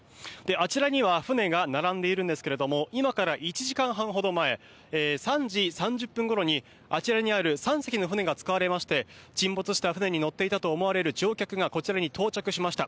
あちらには船が並んでいますが今から１時間半ほど前３時３０分ごろにあちらにある３隻の船が使われまして沈没した船に乗っていたと思われる乗客がこちらに到着しました。